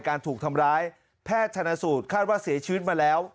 การถูกทำร้ายแพทย์ชนสูตรคาดว่าเสียชีวิตมาแล้ว